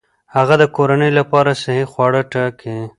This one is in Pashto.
هغه د کورنۍ لپاره صحي خواړه ټاکي.